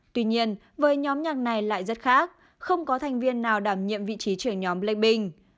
tuy nhiên với nhóm nhạc này lại rất khác không có thành viên nào đảm nhiệm vị trí trưởng nhóm blackpink